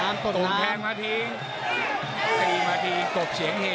มันโดนแต่มันไม่ยุบไม่หยุดนะ